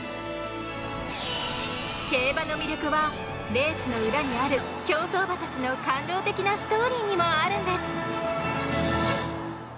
競馬の魅力はレースの裏にある競走馬たちの感動的なストーリーにもあるんです。